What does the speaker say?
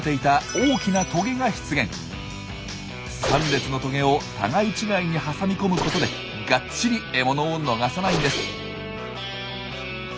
３列のトゲを互い違いに挟み込むことでがっちり獲物を逃さないんです。